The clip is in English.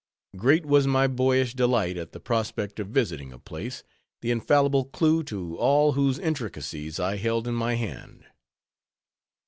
Great was my boyish delight at the prospect of visiting a place, the infallible clew to all whose intricacies I held in my hand.